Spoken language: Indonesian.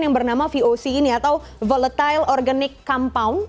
yang bernama voc ini atau volatile organic compan